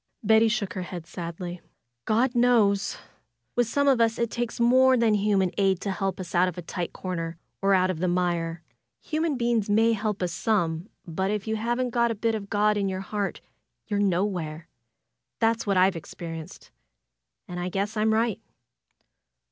Betty shook her head sadly. "God knows! With ^ome of us it takes more than human aid to help us out of a tight comer, or out of the mire. Human be ings may help us some; but if you haven't got a bit of God in your heart you're nowhere. That's what I've experienced, and I guess I'm right."